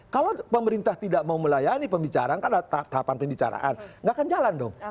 kalau pemerintah tidak mau melayani pembicaraan kan ada tahapan pembicaraan nggak akan jalan dong